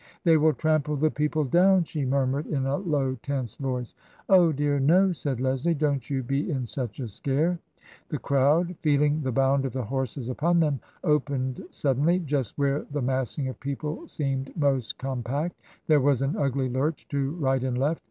" They will trample the people down !" she murmured, in a low, tense voice. " Oh, dear, no !'' said Leslie. " Don't you be in such a scare." The crowd, feeling the bound of the horses upon them, opened suddenly just where the massing of people seemed most compact ; there was an ugly lurch to right and left.